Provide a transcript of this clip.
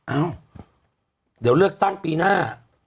เอ้าเดี๋ยวเลือกตั้งปีหน้า